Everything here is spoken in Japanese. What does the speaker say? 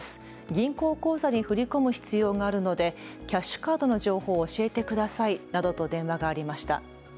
銀行口座に振り込む必要があるのでキャッシュカードの情報を教えてくださいなどと電話がありました。